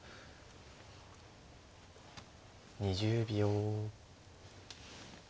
２０秒。